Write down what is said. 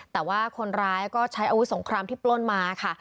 แต่ว่าคนร้ายก็ใช้อาวุธสงครามที่ปล้นมาค่ะ